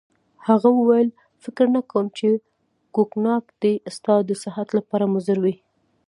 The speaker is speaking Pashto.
هغه وویل: فکر نه کوم چي کوګناک دي ستا د صحت لپاره مضر وي.